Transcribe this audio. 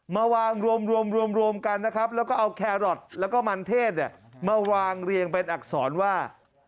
มาวางรวมรวมกันนะครับแล้วก็เอาแครอทแล้วก็มันเทศมาวางเรียงเป็นอักษรว่า